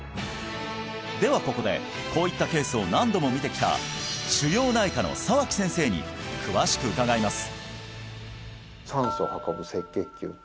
ではここでこういったケースを何度も診てきた腫瘍内科の澤木先生に詳しく伺います